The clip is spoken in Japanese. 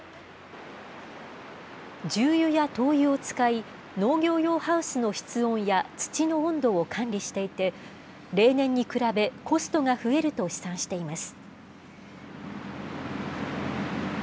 重油や灯油を使い、農業用ハウスの室温や土の温度を管理していて、例年に比べ、コストが増えると試算しています。